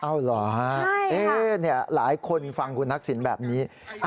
อ้าวเหรอหลายคนฟังคุณทักศิลป์แบบนี้